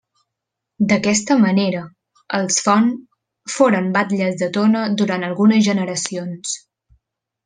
D'aquesta manera els Font foren batlles de Tona durant algunes generacions.